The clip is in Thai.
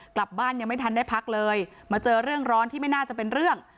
กลับบ้านยังไม่ทันได้พักเลยมาเจอเรื่องร้อนที่ไม่น่าจะเป็นเรื่อง